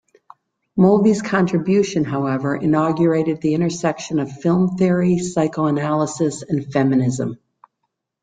Mulvey's contribution, however, inaugurated the intersection of film theory, psychoanalysis and feminism.